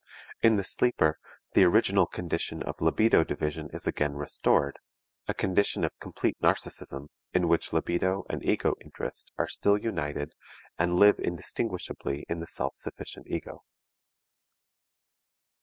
In the sleeper the original condition of libido division is again restored, a condition of complete narcism in which libido and ego interest are still united and live indistinguishably in the self sufficient ego.